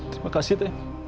terima kasih teh